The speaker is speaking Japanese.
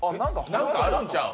何かあるんちゃう？